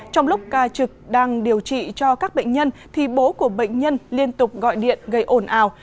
trong lúc ca trực đang điều trị cho các bệnh nhân thì bố của bệnh nhân liên tục gọi điện gây ồn ào